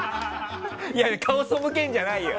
顔そむけんじゃないよ！